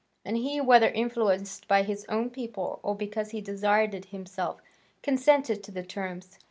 And he, whether influenced by his own people or because he desired it himself, consented to the terms.